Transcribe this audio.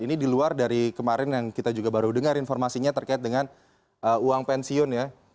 ini di luar dari kemarin yang kita juga baru dengar informasinya terkait dengan uang pensiun ya